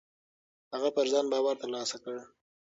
هغه پر ځان باور ترلاسه کړ.